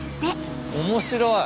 面白い。